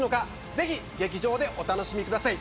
ぜひ劇場で、お楽しみください。